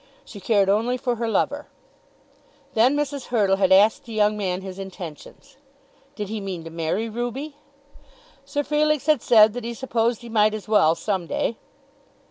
She cared only for her lover. Then Mrs. Hurtle had asked the young man his intentions. Did he mean to marry Ruby? Sir Felix had said that he "supposed he might as well some day."